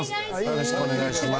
よろしくお願いします。